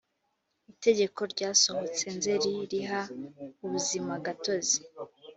itegeko ryasohotse nzeri riha ubuzimagatozi